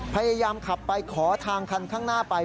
พยายามขับไปขอทางคันข้างหน้าไป